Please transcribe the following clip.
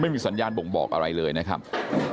ไม่มีสัญญาณบ่งบอกอะไรเลยนะครับ